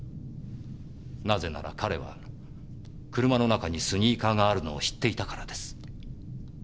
なぜなら彼は車の中にスニーカーがあるのを知っていたからです。